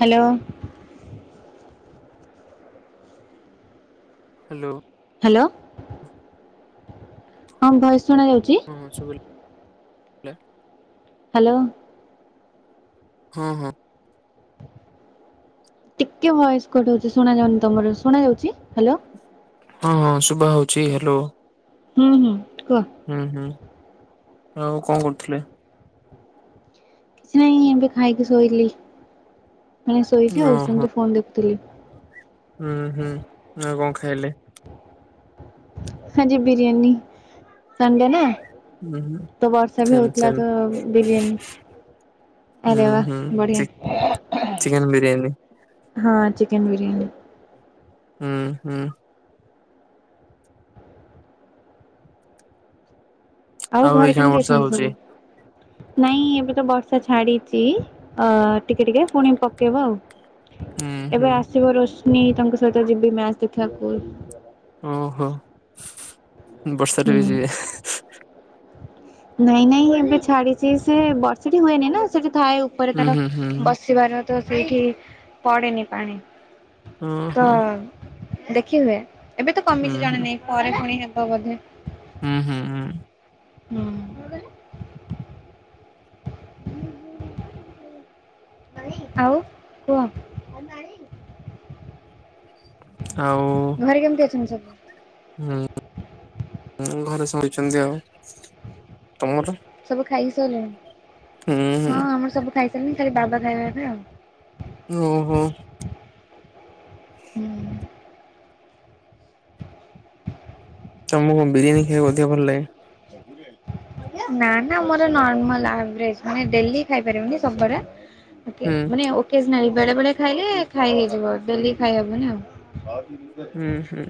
Hello. Hello. Hello. ହଁ voice ଶୁଣା ଯାଉଛି? ହଁ ଶୁଭିଲା। ହ୍ୟାଲୋ। ହଁ ହଁ। ଟିକେ ଭଏସ କଟ ହଉଛି ଶୁଣା ଯାଉନି ତମର ଶୁଣା ଯାଉଛି ହ୍ୟାଲୋ? ହଁ ହଁ ଶୁଭା ହଉଛି ହ୍ୟାଲୋ। ହୁଁ ହୁଁ କୁହ? ହୁଁ ହୁଁ ଆଉ କଣ କରୁଥିଲେ? ନାଇଁ ଏମିତି ଖାଇକି ଶୋଇଲି ମାନେ ଶୋଇଛି ଆଉ ଓହୋ ସେମିତି ଫୋନ ଦେଖୁଥିଲି। ହୁଁ ହୁଁ ଆଉ କଣ ଖାଇଲେ? ଆଜି ବିରିୟାନି ସନଡେ ନା। ହୁଁ ହୁ। ତ ବର୍ଷା ବି ହଉଥିଲା ତ ବିରିୟାନୀ। ହୁଁ ଆରେ ବା ହୁଁ ବଢିଆ। ଚି ଚିକେନ ବିରିୟାନୀ ହଁ ଚିକେନ୍ ବିରିୟାନୀ ହୁଁ ହୁଁ ଆଉ ଘରେ ଏଇଖିଣା କେମିତି ବର୍ଷା ଅଛନ୍ତି ହଉଛି ସବୁ ନାଇଁ ଏବେ ତ ବର୍ଷା ଛାଡିଛି ଅ ଟିକେ ଟିକେ ପୁଣି ପକେଇବ ଆଉ ହୁଁ ଏବେ ହୁଁ ଆସିବ ରୋସ୍ନି ତାଙ୍କ ସହିତ ଯିବି ମ୍ୟାଚ୍ ଦେଖିବାକୁ ଓହୋ ବର୍ଷାରେ ବି ହୁଁ ଯିବେ ନାଇଁ ନାଇଁ ଏବେ ଛାଡିଛି ସେ ବର୍ଷଟି ହୁଏନି ନା ସେଠି ଥାଏ ଉପରେ ହୁଁ ତାର ହୁଁ ହୁଁ ହୁଁ ବସିବାର ତ ସେଇଠି ପଡ଼େନି ପାଣି ଓହୋ ତ ଦେଖି ହୁଏ ଏବେ ତ ହୁଁ କମିଛି ହୁଁ ଜଣା ନାଇଁ ପରେ ପୁଣି ହେବ ବୋଧେ ହୁଁ ହୁଁ ହୁଁ ହୁଁ ଆଉ କୁହ ଆଉ ନାହିଁ ଆଉ ଘରେ କେମିତି ଅଛନ୍ତି ସବୁ? ହଁ ଘରେ ଶୋଇଛନ୍ତି ଆଉ ତମର? ସବୁ ଖାଇକି ସୋଇଲେଣି? ହୁଁ ହୁଁ ହଁ ଆମର ସବୁ ଖାଇସାରିଲେଣି ଖାଲି ବାବା ଖାଇବେ ଏବେ ଆଉ ଓହୋ ହୁଁ ତମକୁ କଣ ବିରିୟାନୀ ଖାଇବା କୁ ଅଧିକ ଭଲ ଲାଗେ [unintelligible] ନା ନା ମୋର ନର୍ମାଲ ଆଭ୍ରେଜ ଡେଲି ଖାଇପାରିବିନି ସବୁବାରେ ହୁଁ ମାନେ ଓକେଜନାଲି ବେଳେ ବେଳେ ଖାଇଲେ ଖାଇହେଇଯିବ ଡେଲି ଖାଇହବନି ଆଉ ହୁଁ ହୁଁ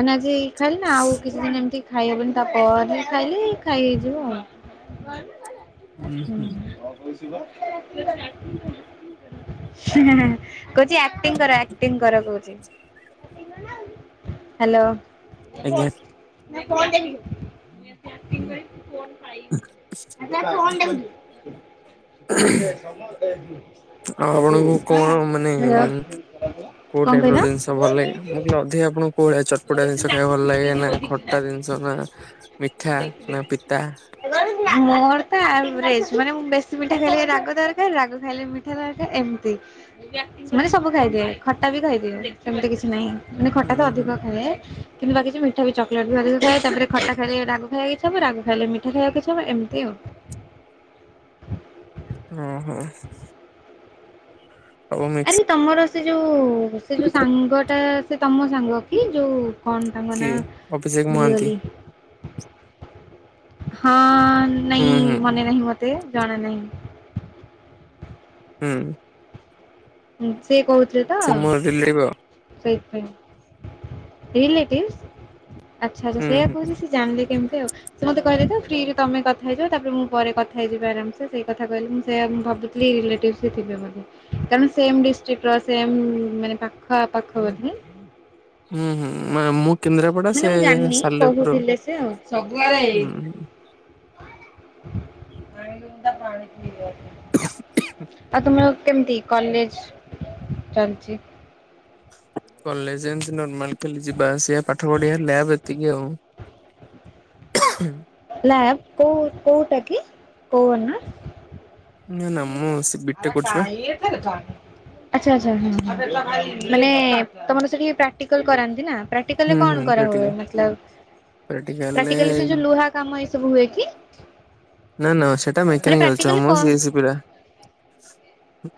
ମାନେ ଆଜି ଖାଇଲି ନା ଆଉ କିଛି ଦିନି ଏମତି ଖାଇହବନି ତାପରେ ଖାଇଲି ଖାଇ ହେଇଯିବ ଆଉ ହୁଁ କଣ କୋଉଥିଲ? ହଁହେହେ କହୁଛି ଆକ୍ଟିଂ କର ଆକ୍ଟିଂ କର କହୁଛି ହାଲୋ ଆଜ୍ଞା [unintelligible] [unintelligible] [unintelligible] ଆଉ ଆପଣଙ୍କୁ କଣ ମାନେ କୋଉ କଣ ଟାଇପ୍ ର କହିଲ? ଜିନିଷ ଭଲ ଲାଗେ? ମୁଁ କହିଲି ଅଧିକ ଆପଣଙ୍କୁ କୋଉଭଳିଆ ଚଟ୍ ପଟା ଜିନିଷ ଖାଇବା ଭଲ ଲାଗେ ନା ଖଟା ଜିନିଷ ନା ମିଠା ନା ପିତା [unintelligible] ମୋର ତ ଆଭ୍ରେଜ ମାନେ ମୁଁ ବେଶୀ ମିଠା ଖାଇଲେ ରାଗ ଦରକାର ରାଗ ଖାଇଲେ ମି ଠା ଦରକାର ଏମିତି ମାନେ ସବୁ ଖାଇଦିଏ ଖଟା ବି ଖାଇଦିଏ ସେମିତି କିଛି ନାହିଁ ମାନେ ଖଟା ହୁଁ ତ ଅଧିକ ହୁଁ ଖାଏ କିନ୍ତୁ ବାକିଯୋଉ ମିଠା ବି ଚକଲେଟ୍ ବି ଅଧିକ ଖାଏ ତାପରେ ଖଟା ଖାଇଲେ ରାଗ ଏ ଥିବ ରାଗ ଖାଇଲେ ମିଠା ଖାଇବାକୁ ଇଛାହେବ ଏମିତି ଆଉ ଓଁ ହୋ ସବୁ ମିକ୍ସ୍ ଆରେ ତମର ସେ ଯୋଉ ସେ ଯୋଉ ସାଙ୍ଗ ଟା ସେ ତମ ସାଙ୍ଗ କି ଯୋଉ କଣ ତାଙ୍କ ନା କିଏ ଅଭିଷେକ ମହାନ୍ତି ଭୁଲିଗଲି ହଁ ହୁଁ ନାଇଁ ହୁଁ ମନେ ନାହିଁ ମତେ ଜଣା ନାହିଁ ହୁଁ ହୁଁ ସେ କହୁଥିଲେ ତ ସେ ମୋ ରିଲେଟିଭ ସେଇତି ପାଇଁ। ଆଚ୍ଛା-ଆଚ୍ଛା ହୁଁ ସେଇଆ ହୁଁ କହୁଚି ସେ ଜାଣିଲେ କେମ୍ତି ଆଉ। ସେ ମୋତେ କହିଲେ ତ ଫ୍ରିରେ ତମେ କଥା ହେଇଯାଅ ତାପରେ ମୁଁ ପରେ କଥା ହେଇଯିବି ଆରାମ୍ ସେ ସେଇ କଥା କହିଲି ସେଇଆ ମୁଁ [unintelligible] [unintelligible] ରିଲେଟିଭସ୍ ରେ ଥିବେ ବୋଧେ [unintelligible] ସେମ୍ ଡିଷ୍ଟିକିର ସେମ୍ ମାନେ ପାଖାପାଖ ବୋଧେ? ହୁଁ-ହୁଁ ମ୍ୟାମ୍ ମୁଁ କେନ୍ଦ୍ରାପଡା ମାନେ ସେ ମୁଁ ଜାଣିନି ସାଲେପୁର କହୁଥିଲେ ସେ ଆଉ ସବୁଆଡେ ଏଇ ହୁଁ। [unintelligible] ଆଉ ତମର କେମ୍ତି କଲେଜ୍ ଚାଲିଚି? କଲେଜ୍ ଏମ୍ତି ନର୍ମାଲ୍ [unintelligible] ଯିବା ଆସିବା ପାଠ ପଢିବା ଲ୍ୟାବ୍ ଏତିକି ଆଉ। ହ ହଁ ନା କୋଉ କୋଉଟା କି [unintelligible] ନା-ନା ମୁଁ ସେ ବିଟେକ୍ କରୁଚିବା। [unintelligible] ଆଚ୍ଛା-ଆଚ୍ଛା ହଁ-ହଁ ମାନେ ତମର ସେଠି ପ୍ରାକ୍ଟିକାଲ୍ କରାନ୍ତି ନା? ପ୍ରାକ୍ଟିକାଲ୍ ହୁଁ ହୁଁ କଣ କରା ହୁଏ ପ୍ରାକ୍ଟିକାଲ ମତଲବ୍ ପ୍ରାକ୍ଟିକାଲ୍ ରେ ସେ ଯୋଉ ପ୍ରାକ୍ଟିକାଲରେ ଲୁହା କାମ ଏଇ ସବୁ ହୁଏ କି? ନା-ନା ସେଟା ମାନେ ମେକାନିକାଲ୍ ପ୍ରାକ୍ଟିକାଲି [unintelligible] କ ମୁଁ ସିଏସି ପିଲା।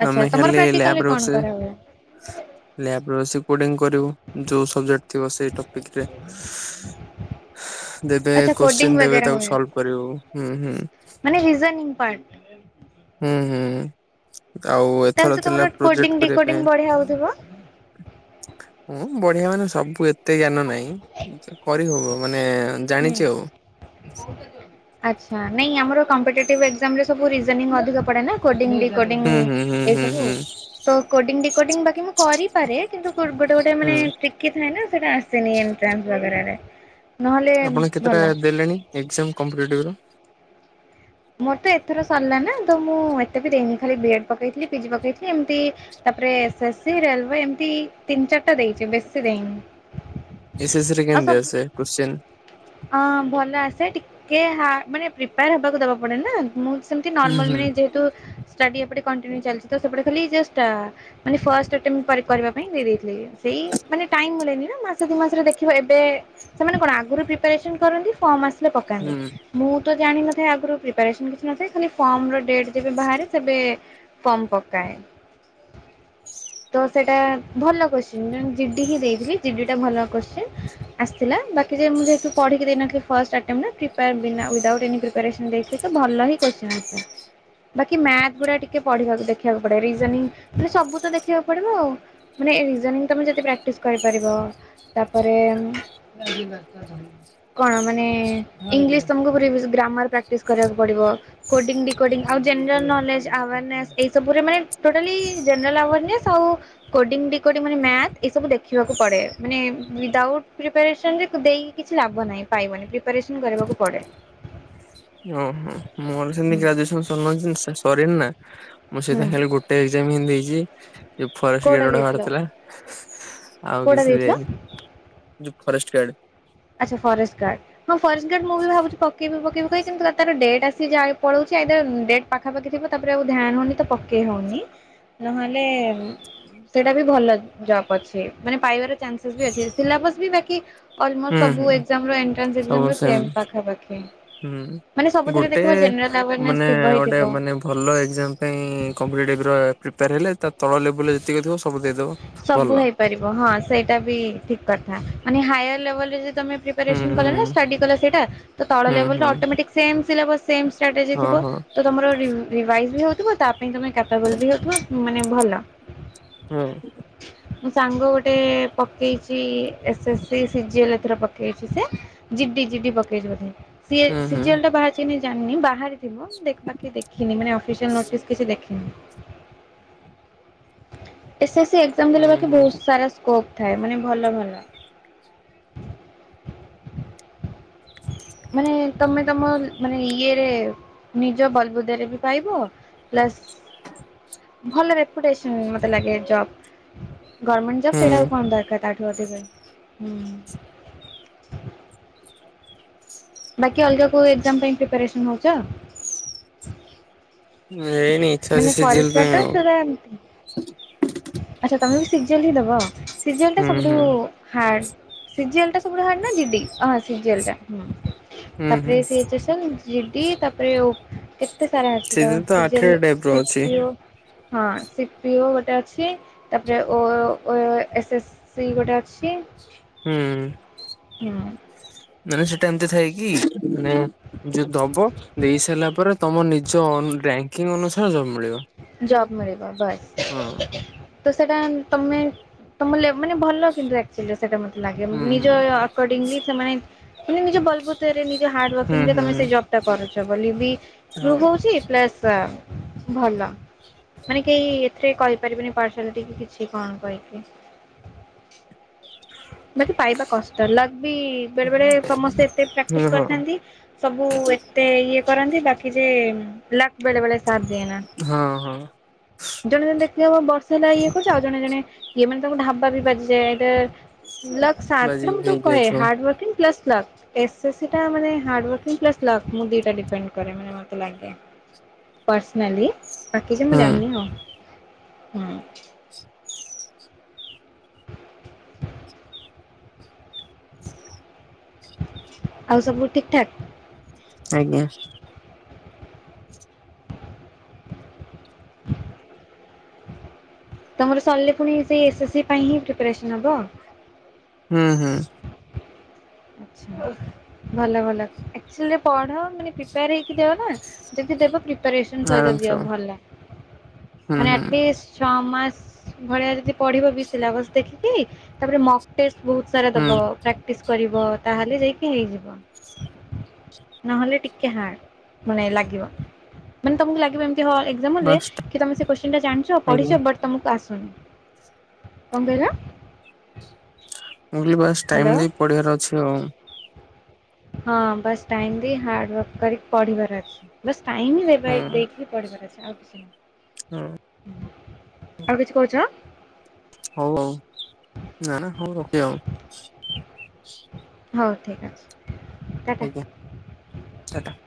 ଆଚ୍ଛା ଆମେ ତମର ଖାଲି ପ୍ରାକ୍ଟିକାଲରେ ଲ୍ୟାବ୍ ରେ କଣ ବସେ। କରାହୁଏ ଲ୍ୟାବ୍ ରେ ବସି ପୋଡ଼ିଂ କରିବୁ ଯୋଉ ସବଜେକ୍ଟ ଥିବ ସେଇ ଟପିକରେ। ଦେବେ ଆଚ୍ଛା କୋଡିଂ କୋତ୍ସିନି ଦେବେ ବଗେରା ତାକୁ ହୁଏ ସଲଭ୍ କରିବୁ ହୁଁ-ହୁଁ। ମାନେ ରିଜେନିଂ ପାର୍ଟ। ହୁଁ-ହୁଁ। ତାଉ ତାହେଲେ ତ ତମର କୋଡ଼ିଂ ଡିକୋଡିଂ ବଢିଆ ହଉଥିବ? [unintelligible] ବଢିଆ ମାନେ ସବୁ ଏତେ ଜ୍ଞାନ ନାହିଁ କରିହବ ମାନେ ହୁଁ ଜାଣିଚି ଆଉ। ଆଚ୍ଛା ନାଇଁ ଆମର କମ୍ପିଡେଟିବି ଏକ୍ଜାମ୍ ରେ ସବୁ ରିଜେନିଂ ଅଧିକ ପଡେ ନା କୋଡିଂ ଡିକୋଡିଂ ହୁଁ ହୁଁ ହୁଁ ଏ ହୁଁ ସବୁ। ହୁଁ ତ କୋଡିଂ ଡିିକୋଡିଂ ବାକି ମୁଁ କରିପାରେ କିନ୍ତୁ ଗୋଟେ-ଗୋଟେ ମାନେ ହୁଁ କି ଥାଏ ନା ସେଟା ଆସେନି ଏଣ୍ଟ୍ରାସ୍ ରେ ନହେଲେ ଆପଣ କେତେଟା ଭଲ ଦେଲେଣି ଏକ୍ଜାମ୍ କମ୍ପିଡେଟିଭର? ମୋର ତ ଏଥର ସରିଲା ନା ତ ମୁଁ ଏତେ ବି ଦେଇନି ଖାଲି ବି ଏଡ ପକେଇଥିଲି ପିଜି ପକେଇଥିଲି ଏମ୍ତି ତାପରେ ଏସ୍ ଏସ୍ ସି ରେଲୱ ଏମିତି ତିନି ଚାରିଟା ଦେଇଚି ବେଶୀ ଦେଇନି। ଏସ୍ ଏସ୍ ଆଉ କେମ୍ତି ସବୁ ଆସେ କୋଶ୍ଚିନ୍? ହଁ ଭଲ ଆସେ ଟିକେ ହା ମାନେ ପ୍ରିପେୟାର୍ ହବାକୁ ଦବା ପଡେ ନା ମୁଁ ସେମ୍ତି ହୁଁ ନର୍ମାଲ୍ ହୁଁ ମାନେ ଯେହେତୁ ଷ୍ଟଡି ଏଟେ [unintelligible] ଚାଲିଚି ତ ସେପଟେ ଖାଲି ଜଷ୍ଟ୍ ଆ ମାନେ ଫାଷ୍ଟ ଆଟେମେଣ୍ଟ କରେକ୍ଟ କରିବା ପାଇଁ ଦେଇ ଦେଇଥିଲି ସେଇ ମାନେ ଟାଇମ୍ ମିଳେନି ନା ମାସେ ଦି ମାସରେ ଦେଖିବ ଏବେ ସେମାନେ କଣ ଆଗରୁ ପ୍ରିପାରେସନ୍ କରନ୍ତି ଫର୍ମ ଆସିଲେ ପକାନ୍ତି। ହୁଁ। ମୁଁ ତ ଜାଣିନଥାଏ ଆଗରୁ ପ୍ରିପାରେସନ୍ କିଛି ନଥାଏ ଖାଲି ଫର୍ମର୍ ଡେଟ୍ ଯେବେ ବାହାରେ ସେବେ ଫମ୍ ପକାଏ। ତ ସେଇଟା ଭଲ କୋଶ୍ଚିନ୍ [unintelligible] ଜିଡି ହିଁ ଦେଇଥିଲି ଜିଡିଟା ଭଲ କୋଶ୍ଚିନ୍ ଆସିଥିଲା ବାକି ଯେ ମୁଁ ଯେ [unintelligible] ପଢ଼ିକି ଦେଇନଥିଲି ଫାଷ୍ଟଆଟେମ୍ ନା ପ୍ରିପାୟର୍ ବିନା [unintelligible] ଏନି ପ୍ରିପାରେସନ୍ ଦେଇଥିଲି ତ ଭଲ ହିଁ କୋଶ୍ଚିନି ଆସିଥିଲା। ବାକି ମ୍ୟାଥ୍ ଗୁଡା ଟିକେ ପଢିବାକୁ ଦେଖିବାକୁ ପଡେ ରିଜେନିଂ ମାନେ ସବୁ ତ ଦେଖିବାକୁ ପଡିବ ଆଉ। ମାନେ ଏଜନିଂ ତମେ ଯଦି ବ୍ରାଟିସ୍ କରିପାରିବ। ତାପରେ ଆମ୍ କଣ ମାନେ ଇଂଲିଶ୍ ତମକୁ ବ୍ରେବିସ୍ ଗ୍ରାମର୍ ପ୍ରାକ୍ଟିସ୍ କରିବାକୁ ପଡିବ। କୋଡ଼ିଙ୍ଗ୍ ଡିକୋଡ଼ିଙ୍ଗ୍ ଆଉ ଜେନେରାଲ୍ ନଲେଜ୍ ଆର୍ନେସ୍ ଏସବୁରେ ମାନେ ଟୋଟାଲି ଜେନେରାଲ୍ ଆୟାର୍ନେସ୍ ଆଉ କୋଡିଙ୍ଗ୍ ଡିକୋଡି ମାନେ ମ୍ୟାଥ୍ ଏ ସବୁ ଦେଖିବାକୁ ପଡେ ମାନେ ମିଦାଉଡ୍ ପ୍ରିପାରେସନ୍ ରେ କ ଦେଇ କିଛି ଲାଭ ନାହିଁ ପାଇବନି ପ୍ରିପାରେସନ୍ କରିବାକୁ ପଡେ। ଓହୋ ମୋର ସେମିତି ଗ୍ରାଜୁଏସନ୍ ସନଇସ୍ ସ ସରିନ୍ ନା ମୁ ସେଇଥି ହୁଁ ପାଇଁ ହେଲି ଗୋ ଟେ ଏକ୍ଜାମ୍ ହିଁ ଦେଇଛି। ଯଉ ଫାଷ୍ଟେ କୋଉଟା ଗେଡ ଟା ଦେଇଥିଲ ବାହାର୍ ଥିଲା ଆଉ କୋଉଟା କିଛି ଦେଇଥିଲ? ଦେଇନି। Forest guard. ଆଚ୍ଛା ଫରେଷ୍ଟ୍ ଗାର୍ଡ଼। ହଁ ଫରେଷ୍ଟ୍ ଗାଡ଼୍ ମୁଁ ବି ଭାବୁଛି ପକେଇବି ପକେଇ କହିକି କିନ୍ତୁ ରାତାର ଡେଟ୍ ଆସି ଯାଇ ପଳଉଛି ଏଇଦର୍ ଡେଟ୍ ପାଖାପାଖି ଥିବ ତାପରେ ଆଉ ଧ୍ୟ୍ୟନ୍ ହେଉନି ତ ପକେଇ ହଉନି ନହେଲେ ସେଇଟା ବି ଭଲ ଜବ୍ ଅଛି ମାନେ ପାଇବାର ଚାନ୍ସିସ୍ ବି ଅଛି ସିଲାବସ୍ ବି ବାକି ଅଲ୍ ହଁ ହୁଁ ସବୁ ହୁଁ ଏକ୍ସାମ୍ ର ଏଣ୍ଟର୍ ସିପ୍ ସେମ୍ ପାଖାପାଖି। ମାନେ ହୁଁ ସବୁଥିରେ ଗୋଟେ ଦେଖିବ ଜେନେରାଲ ଆୱାରନେସ୍ ମାନେ ଥିବ ହିଁ ଗୋଟେ ଥିବ। ମାନେ ଭଲ ଏକ୍ଜାମ୍ ପାଇଁ କମ୍ପିଲିଟିଭ୍ ର ପ୍ରିପେୟାର୍ ହେଲେ ତ ତଳ ଲେବୁଲ୍ ରେ ଯେତିକି ଥିବ ସବୁ ଦେଇଦେବ ସବୁ ଭଲ। ହଁ ସେଇଟା ବି ଠିକ୍ କଥା ମାନେ ହାୟର୍ ଲେବଲ୍ ରେ ଯ ତମେ ହୁଁ ପ୍ରିପାରେସନ୍ ହୁଁ କଲ ନା ଷ୍ଟଡି କଲ ସେଇଟା? ତ ତଳ ହୁଁ ଲେବୁଲ୍ ରେ ହୁଁ automatic same syllabus same strategy ଥିବ। [unintelligible] ଭଲ ରି ରିଭାଇବ୍ ହଉଥିବ ତା ପାଇଁ ତମେ କାପାବଲ୍ ବି ହଉଥିବ ମାନେ ଭଲ। ହୁଁ [unintelligible] ମୁଁ ସାଙ୍ଗ ଗୋଟେ ପକେଇଚି ଆସେଶିସିଜିଏଲ୍ ଏଥର ପ ପକେଇଛି ଯେ ଜିଡି ଜିଡି ପକେଇଛି ବୋଧେ ସିଏ ହୁଁ ହୁଁ। ସିଜିଏଲ୍ ଟା ବାହାର୍ ଚି ନାଇ ଜାଣ୍ନି ବାହାରି ଥିବ ଦେଖ୍ ବାକି ଦେଖିନି ମାନେ ଅଫିସିଆଲ୍ ନୋଟିସ୍ କିଛି ଦେଖିନି। ଏସେସି ଏକ୍ଜାମ୍ ଦେଲେ ହୁଁ ବାକି ହୁଁ ବହୁତ୍ ସାରା ସ୍କୋପ୍ ଥାଏ ମାନେ ଭଲ ଭଲ। ମାନେ ତମେ ତମ ମାନେ ଇଏରେ ନିଜ ବଲ୍ ବୁଦାରେ ବି ପାଇବ। ପସ୍ ଭଲ ରେପୁଟେସନ୍ ମତେ ଲାଗେ ଜବ୍। ଗଡ୍ମେଣ୍ଟ୍ ଜବ୍ ହୁଁ ସେଇଟା ଆଉ କଣ ଦରକାର ତାଠୁ ଅଧିକ ହୁଁ ବାକି ଅଲ୍ଗା କୋଉ ଏକ୍ଜାମ୍ ପାଇଁ ପ୍ରିପାରେସନ୍ ହେଉଛ? ନାହେଇନି ଇଚ୍ଛା ଅଛି ମାନେ ଫରେଷ୍ଟ ସିଜିଲ୍ ପାଇଁ ଆଉ। [unintelligible] ଆଚ୍ଛା ତମେ ବି ସିଜିଏଲ୍ ହି ଦେବ ସିଜିଏଲ୍ ଟା ହୁଁ ସବୁଠୁ ହୁଁ ହାଡ୍ ସିଜିଏଲ୍ ଟା ସବୁଠୁ ହାଡ୍ ନା ଜିଡି ହଁ ସିଜିଏଲ୍ ଟା। ହୁଁ ତାପରେ ହୁଁ। ସେ ଜିସନ୍ ଜିଡି ତାପରେ ଓ କେ ଏତେ ସାରା ଅଛି ତ ସେଇଥିରେ ସିଜିଏଲ୍ ଆଠେଣା ଟାଇପ୍ ର ଅଛି ସିପିଓ ହଁ ସିପିଓ ଗୋଟେ ଅଛି। ତାପରେ ଓୟ ଓଏ ଓଏ ଏସେସି ଗୋଟେ ଅଛି। ହୁଁ। ହୁଁ। ମାନେ ସେଟା ଏମ୍ତି ଥାଏ କି ମାନେ ଯୋଉ ଦବ ଦେଇ ସାରିଲା ପରେ ତମ ନିଜ ଅ ରାଙ୍କିଙ୍ଗ୍ ଅନୁସାରେ ଜବ୍ ମିଳିବ। ଜବ ମଳିବ ବାଏ। ହଁ ତ ସେଇଟା ତମେ ତମ ମାନେ ଲେ ଭଲ କିନ୍ତୁ ଆକ୍ଚୁଲି ସେଇଟା ମତେ ଲାଗେ ହୁଁ ନିଜଅୟଆ ହୁଁ ଆକୋଡିଙ୍ଗଲି ସେମାନେ ମାନେ ନିଜ ବଲବୁତରେ ନିଜ ହୁଁ ହାର୍ଡୱର୍କିଂରେ ତମେ ହୁଁ ସେ ଜବଟା କରୁଚ ବୋଲି ବି ମୁଁ ହଉ କୋହୁଚି ପ୍ଲସ ଭଲ। ମାନେ କେହି ଏଥିରେ କହିପାରିବେନି ପାରସିଆଳିଟି କି କିଛି କଣ କହିବି। ହ। ବାକି ପାଇବା କଷ୍ଟ ଲକ୍ ବି ବେଳେ ବେଳେ ସମସ୍ତେ ଏତେ ହୁଁ ପ୍ରାଟିସ ହଁ କରିଥାନ୍ତି। ସବୁ ଏତେ ଇଏ କରନ୍ତି ବାକି ଯେ ଲକ୍ ବେଳେ ବେଳେ ସାଥ ଦିଏନା। ହଁ ହଁ ଜଣେ ଜଣେ ଦେଖିଥିବ ବର୍ଷେ ହେଲା ଇଏ କରିଚି ଆଉ ଜଣେ ଜଣେ ଇଏ ମାନେ ତାଙ୍କୁ ଢାବା ବି ବାଜିଯାଏ ଆଇଦର ଲକ୍ ସାଥ ବାଜି ଏଟା ମୁଁ ତୁମକୁ କହେ ହେଇଯାଇଥିବ hardworking plus luck. S S C ଟା ମାନେ ହାର୍ଡୱାର୍କିଂ ପ୍ଲସ ଲକ୍ ମୁଁ ଦିଇଟା ଡିପେଣ୍ଡ କରେ ମାନେ ମତେ ଲାଗେ। ପର୍ସନାଲି ବାକି ଯେ ମୁଁ ହୁଁ ଜାଣନି ଆଉ ହୁଁ। ଆଉ ସବୁ ଠିକ୍ ଠାକ୍? ଆଜ୍ଞା। ତମର ସରିଲେ ପୁଣି ସେଇ ଏସ୍ ଏସ୍ ସି ପାଇଁ ହିଁ ପ୍ରିପାରେସନ ହବ? ହୁଁ ହୁଁ। ଆଛା ଭଲ ଭଲ ଆକଚୋଲିରେ ପଢ ମାନେ ପ୍ରିପେୟାର ହେଇକି ଯାଅ ନା ଯଦି ଦେବ ପ୍ରିପାରେସନ୍ ସହିତ ଆରାମସେ ଦିଅ ହବ ଭଲ ହୁଁ ମାନେ ହୁଁ ଆଟଲିଷ୍ଟ ଛଅମାସ ଭଳିଆ ଯଦି ପଢ଼ିବ ବି ସିଲାବସ୍ ଦେଖିକି ତାପରେ ମ ଟେଷ୍ଟ ବୋହୁତ ସାରା ଦବ ହୁଁ ପ୍ରାକ୍ଟିସ କରିବ ତାହେଲେ ଯାଇକି ହେଇଯିବ। ନହେଲେ ଟିକେ ହାଡ ମାନେ ଲାଗିବ ମାନେ ତମକୁ ଲାଗିବ ଏମିତି ହଁ ଏ ଜାମ ହଲରେ ବାସ୍ ତମେ ସେ କୋସଚିନଟା ଜାଣିଚ ଆଜ୍ଞା ପଢିଚ ବଟ ତମକୁ ଆସୁନି କଣ କହିଲ? ମୁଁ କହିଲି ବାସ୍ ହ୍ୟାଲୋ ଟାଇମ ଦେଇ ପଢ଼ିବାର ଅଛି ଆଉ। ହଁ ବାସ୍ ଟାଇମ୍ ଦେଇ ହାର୍ଡ ୱାର୍କ କରିକି ପଢିବାର ଅଛି ବାସ ଟାଇମ ହିଁ ଦେବା ହୁଁ ଦେଇକି କି ପଢିବାର ଅଛି ଆଉ କିଛି ନାହିଁ। ହଁ। ଆଉ କିଛି କୋହୁଚ। ହୋଉ ହୋଉ ନା ନା ହୋଉ ରଖିବା ଆଉ। ହୋଉ ଠିକ୍ ଅଛି। ଟାଟା ଆଜ୍ଞା ଟାଟା।